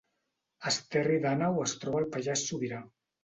Esterri d’Àneu es troba al Pallars Sobirà